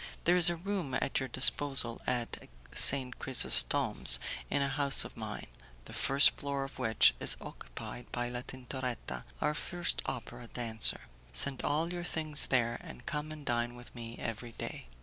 There is a room at your disposal at St. Chrysostom's, in a house of mine, the first floor of which is occupied by La Tintoretta, our first opera dancer. Send all your things there, and come and dine with me every day.